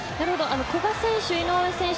古賀選手、井上選手